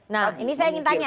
nah ini saya ingin tanya